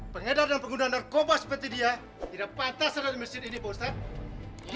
pengedar dan pengguna narkoba seperti dia tidak pantas ada di masjid ini ustadz